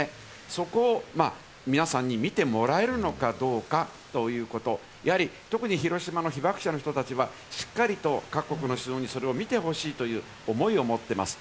そこを皆さんに見てもらえるのかどうかということ、特に広島の被爆者の人たちはしっかりと各国の首脳にそれを見てほしいという思いを持っています。